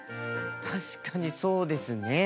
確かにそうですね。